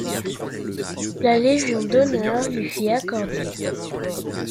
La Légion d'honneur lui fut accordée.